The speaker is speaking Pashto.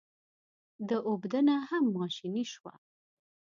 د اوبدنه هم ماشیني شوه.